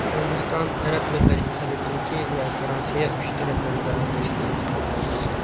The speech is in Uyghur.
ھىندىستان، ئەرەب بىرلەشمە خەلىپىلىكى ۋە فىرانسىيە ئۈچ تەرەپ ھەمكارلىق تەشكىلاتى قۇردى.